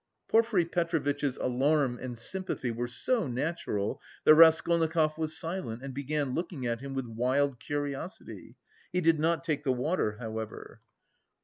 Porfiry Petrovitch's alarm and sympathy were so natural that Raskolnikov was silent and began looking at him with wild curiosity. He did not take the water, however.